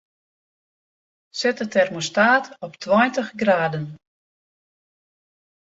Set de termostaat op tweintich graden.